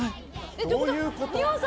どういうこと？